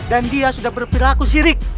dan dia sudah berpilaku sirik